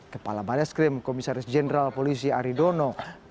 kepala barreskrim komisaris jenderal polisi aridono